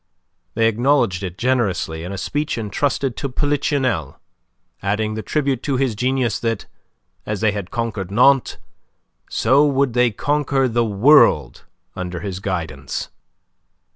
They acknowledged it generously in a speech entrusted to Polichinelle, adding the tribute to his genius that, as they had conquered Nantes, so would they conquer the world under his guidance.